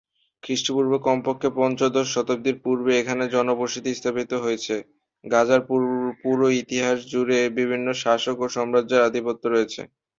খ্রিস্টপূর্ব কমপক্ষে পঞ্চদশ শতাব্দী পূর্বে এখানে জনবসতি স্থাপিত হয়েছিল, গাজার পুরো ইতিহাস জুড়ে বিভিন্ন শাসক এবং সাম্রাজ্যের আধিপত্য রয়েছে।